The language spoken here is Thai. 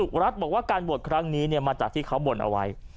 รัฐบอกว่าการบวชครั้งนี้มาจากที่เขาบ่นเอาไว้